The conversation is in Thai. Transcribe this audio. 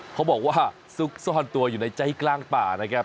เขาบอกว่าซุกซ่อนตัวอยู่ในใจกลางป่านะครับ